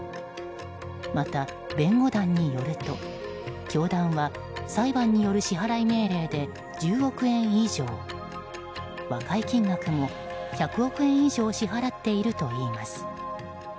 また、弁護団によると教団は裁判による支払い命令で１０億円以上和解金額も１００億円以上支払っているといいます。